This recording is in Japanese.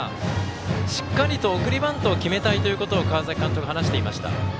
しっかりと送りバントを決めたいということを川崎監督が話していました。